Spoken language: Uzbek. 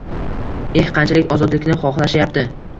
Eh, qanchalik ozodlikni xohlashayapti